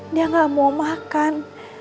dia gak mau makan